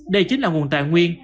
đây chính là nguồn tài nguyên